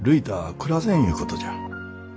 暮らせんいうことじゃ。